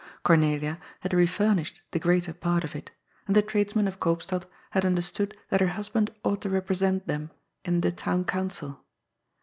Cornelia had refurnished the greater part of it, and the tradesmen of Eoopstad had understood that her husband ought to represent them in the Town Council.